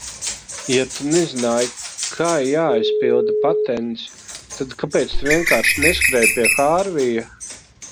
Ja tu nezināji, kā jāaizpilda patents, tad kāpēc tu vienkārši neskrēji pie Hārvija?